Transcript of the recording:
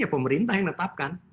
ya pemerintah yang menetapkan